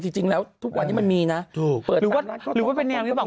จริงจริงแล้วทุกวันที่มันมีนะถูกหรือว่าหรือว่าเป็นอย่างนี้หรือเปล่า